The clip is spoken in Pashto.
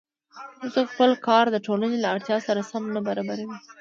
هېڅوک خپل کار د ټولنې له اړتیا سره سم نه برابروي